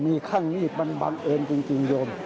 มีข้างมีดมันบังเอิญจริงโยม